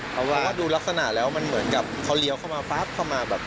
เพราะว่าดูลักษณะแล้วมันเหมือนกับเขาเลี้ยวเข้ามาปั๊บเข้ามาแบบ